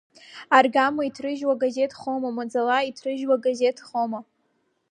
Аргама иҭрыжьуа газеҭхозу, маӡала иҭрыжьуа газеҭхозу…